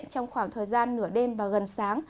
trong khoảng thời gian nửa đêm và gần sáng